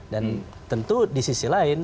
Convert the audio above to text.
dan tentu di sisi lain